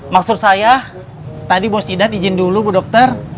maksud saya tadi bos idan izin dulu bu dokter